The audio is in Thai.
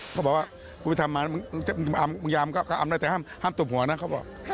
เขาบอกว่ากูไปทำมามึงยามนะแต่ห้ามตบหัวนะ